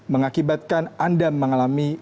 mengakibatkan anda mengalami